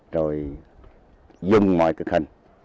rồi dùng mọi cực hình